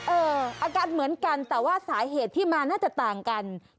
อาการเหมือนกันแต่ว่าสาเหตุที่มาน่าจะต่างกัน